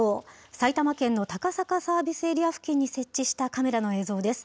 埼玉県の高坂サービスエリア付近に設置したカメラの映像です。